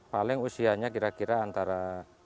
paling usianya kira kira antara